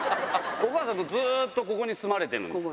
お母さん、ずっとここに住まれてるんですか？